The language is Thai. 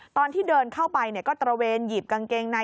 ตอนที่เดินเข้าไปก็ตระเวนหยิบกางเกงใน